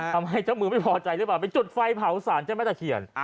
ทำให้เจ้ามือไม่พอใจหรือเปล่าไปจุดไฟเผาสารเจ้าแม่ตะเคียน